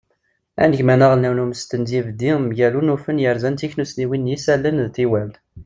anegmam aɣelnaw n umesten d yibeddi mgal unufen yerzan tiknussniwin n yisallen d teywalt